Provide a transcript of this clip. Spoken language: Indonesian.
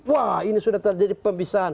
wah ini sudah terjadi